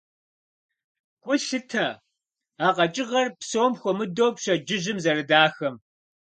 Гу лъытэ а къэкӀыгъэр, псом хуэмыдэу пщэдджыжьым, зэрыдахэм.